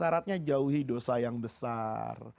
syaratnya jauhi dosa yang besar